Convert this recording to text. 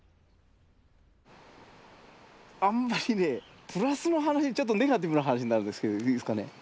あんまりねプラスの話ちょっとネガティブな話になるんですけどいいですかね？